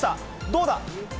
どうだ。